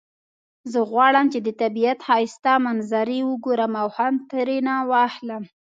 زه غواړم چې د طبیعت ښایسته منظری وګورم او خوند ترینه واخلم